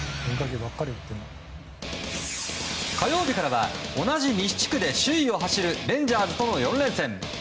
火曜日からは同じ西地区で首位を走るレンジャーズとの４連戦。